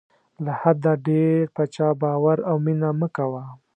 له حده ډېر په چا باور او مینه مه کوه.